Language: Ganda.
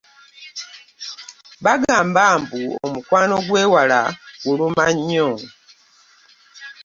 Bagamba mbu omukwano gw'ewala guluma nnyo.